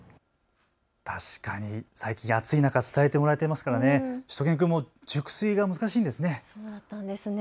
確かに最近暑い中、伝えてもらっていますからねしゅと犬くんも熟睡が難しいですね。